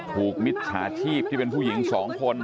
ผูกมิตรหาชีพที่เป็นผู้หญิง๒คน